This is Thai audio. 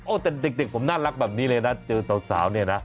แต่เด็กผมน่ารักแบบนี้เลยนะเจอสาวเนี่ยนะ